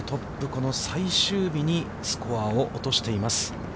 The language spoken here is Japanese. この最終日に、スコアを落としています。